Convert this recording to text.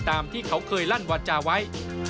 ตามที่เขาเคยลั่นวาจาไว้